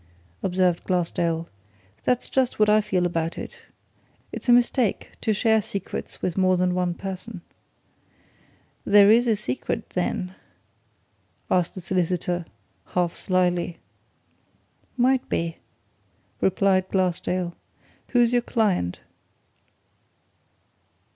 observed Glassdale. "That's just what I feel about it. It's a mistake to share secrets with more than one person." "There is a secret, then!" asked the solicitor, half slyly. "Might be," replied Glassdale. "Who's your client?"